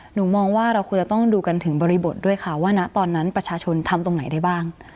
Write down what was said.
หนูมองว่าเราควรจะต้องดูกันถึงบริบทด้วยค่ะว่านะตอนนั้นประชาชนทำตรงไหนได้บ้าง